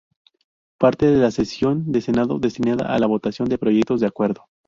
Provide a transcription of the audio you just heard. Parte de la sesión de Senado destinada a la votación de proyectos de acuerdo.